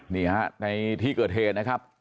นี่ฮะในที่เกิดเหตุนะครับ